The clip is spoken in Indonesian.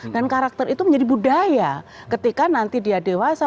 dan karakter itu menjadi budaya ketika nanti dia dewasa